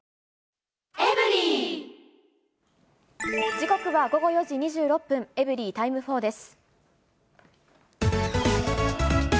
時刻は午後４時２６分、エブリィタイム４です。